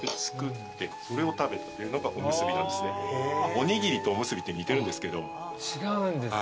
おにぎりとおむすびって似てるんですけど。